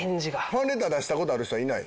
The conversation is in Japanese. ファンレター出した事ある人はいない？